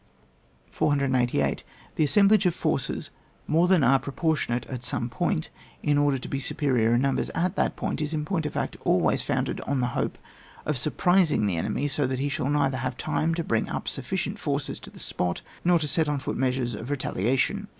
488. The assemblage of forces more than are proportionate at some one point, in order to be superior in numbers at that point is, in point of fact, always foimded on the hope of surprising the enemy, so that he shall neither have time to bring up sufficient forces to the spot nor to set on foot measures of re taliation.